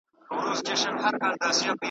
تر هغه وخته به جوړه زموږ دمه سي .